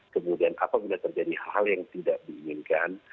kemudian apabila terjadi hal yang tidak diinginkan